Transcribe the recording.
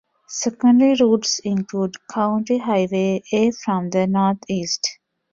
Secondary routes include County Highway A from the northeast.